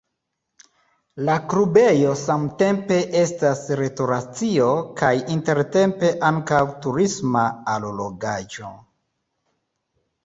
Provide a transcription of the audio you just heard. La klubejo samtempe estas restoracio kaj intertempe ankaŭ turisma allogaĵo.